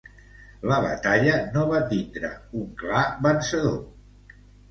La batalla no va tindre un clar vencedor.